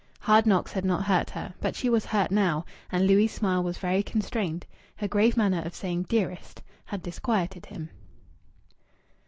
Hard knocks had not hurt her. But she was hurt now. And Louis' smile was very constrained. Her grave manner of saying "dearest" had disquieted him.